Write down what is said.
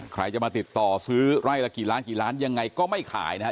ใครจะมาติดต่อซื้อไร่ละกี่ล้านกี่ล้านยังไงก็ไม่ขายนะครับ